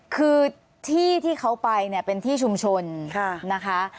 คือที่ที่เขาไปเนี่ยเป็นที่ชุมชนนะคะ